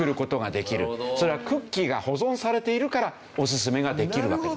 それはクッキーが保存されているからおすすめができるわけ。